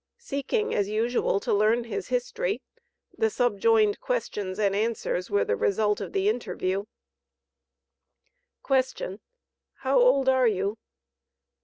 Seeking, as usual, to learn his history, the subjoined questions and answers were the result of the interview: Q. "How old are you?"